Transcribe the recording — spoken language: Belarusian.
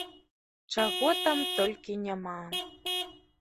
Чаго там толькі няма!